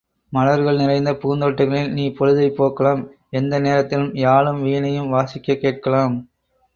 மலர்கள் நிறைந்த பூந்தோட்டங்களில் நீ பொழுதைப் போக்கலாம் எந்த நேரத்திலும் யாழும் வீணையும் வாசிக்கக் கேட்கலாம்.